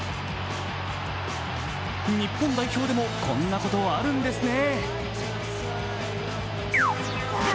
日本代表でもこんなこと、あるんですね。